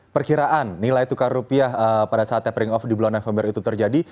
perkiraan nilai tukar rupiah pada saat tapering off di bulan november itu terjadi